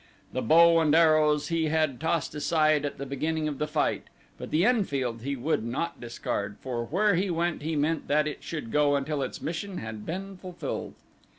The bow and arrows he had tossed aside at the beginning of the fight but the Enfield he would not discard, for where he went he meant that it should go until its mission had been fulfilled.